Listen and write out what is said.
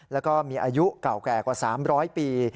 แล้วก็มีอายุเก่าแก่กว่า๓๐๐ปี